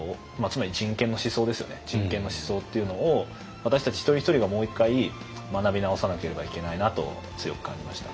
人権の思想っていうのを私たち一人一人がもう一回学び直さなければいけないなと強く感じました。